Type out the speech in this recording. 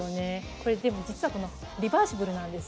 これでも実はリバーシブルなんです。